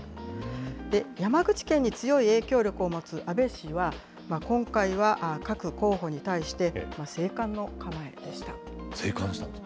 山口県に強い影響力を持つ安倍氏は、今回は各候補に対して、静観と？